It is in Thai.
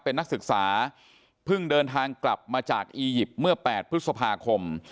เป็นนักศึกษาเพิ่งเดินทางกลับมาจากอียิปต์เมื่อ๘พฤษภาคม